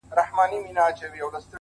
زما د اوښکو په سمار راته خبري کوه.